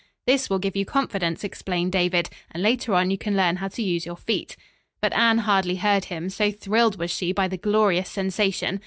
"This will give you confidence," explained David, "and later on you can learn how to use your feet." But Anne hardly heard him, so thrilled was she by the glorious sensation.